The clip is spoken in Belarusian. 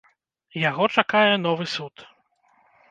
Яго чакае новы суд.